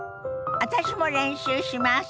私も練習します！